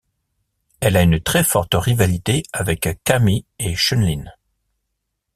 Elle a une très forte rivalité avec Cammy et Chun-Li.